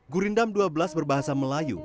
gurindam dua belas berbahasa melayu